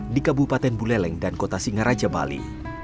di kabupaten buleleng dan kota singaraja bali